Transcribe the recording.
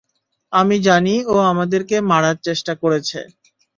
আমি জানি ও আমাদেরকে মারার চেষ্টা করেছে!